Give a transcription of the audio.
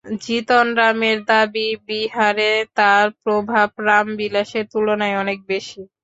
জিতন রামের দাবি, বিহারে তাঁর প্রভাব রাম বিলাসের তুলনায় অনেক বেশি।